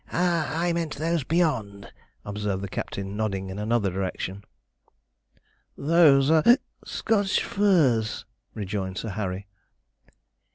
'Ah, I meant those beyond,' observed the captain, nodding in another direction. 'Those are Scotch firs,' rejoined Sir Harry.